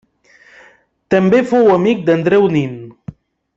També fou amic d'Andreu Nin.